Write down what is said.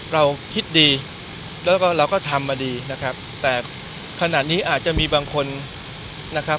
เราคิดดีแล้วก็เราก็ทำมาดีนะครับแต่ขนาดนี้อาจจะมีบางคนนะครับ